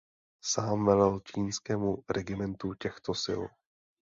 Sám velel čínskému regimentu těchto sil.